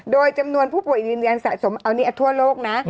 โดยจำนวนผู้ป่วยยืนยันสะสมทั่วโลก